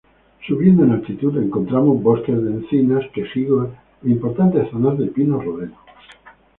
Subiendo en altitud encontramos bosques de encinas, quejigos e importantes zonas de pino rodeno.